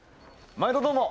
毎度どうも！